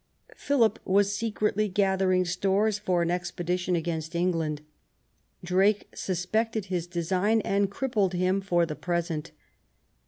Philip was secretly gathering stores for an expedition against England ; Drake suspected his design and crippled him for the present.